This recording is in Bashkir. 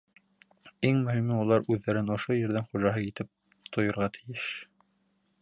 Иң мөһиме — улар үҙҙәрен ошо ерҙең хужаһы итеп тойорға тейеш.